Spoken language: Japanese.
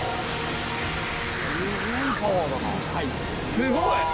すごい！